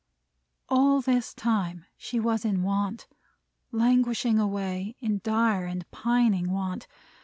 All this time, she was in want: languishing away, in dire and pining want.